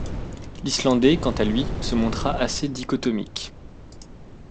L’islandais quant à lui, se montra assez dichotomique.